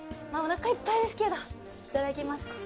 おなかいっぱいですけどいただきます。